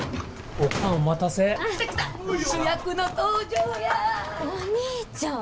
お兄ちゃん！